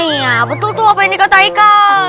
iya betul tuh apa yang dikata haikal